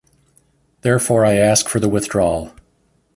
Therefore I ask for the withdrawal.